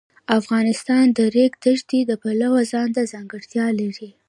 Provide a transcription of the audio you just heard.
افغانستان د د ریګ دښتې د پلوه ځانته ځانګړتیا لري.